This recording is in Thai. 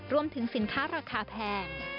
รวมถึงสินค้าราคาแพง